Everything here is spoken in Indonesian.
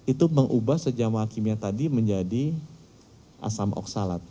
itu mengubah senyawa kimia tadi menjadi asam oksalat